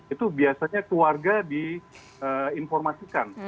itu biasanya keluarga diinformasikan